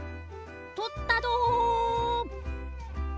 取ったど！